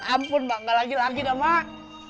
ampun mak gak lagi lagi dah mak